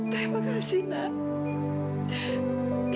terima kasih nak